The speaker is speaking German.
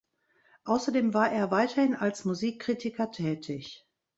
Außerdem war er weiterhin als Musikkritiker tätig.